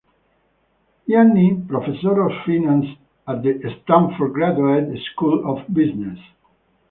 Giannini Professor of Finance at the Stanford Graduate School of Business.